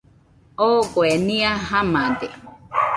Ogoe nɨa jamade